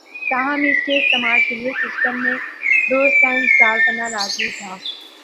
تاہم اس کے استعمال کے لئے سسٹم میں ڈوس کا انسٹال کرنا لازمی تھا